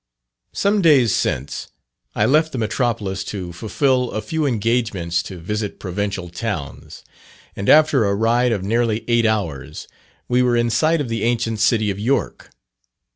Some days since, I left the Metropolis to fulfil a few engagements to visit provincial towns; and after a ride of nearly eight hours, we were in sight of the ancient city of York.